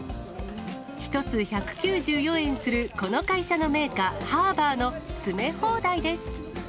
１つ１９４円する、この会社の銘菓、ハーバーの詰め放題です。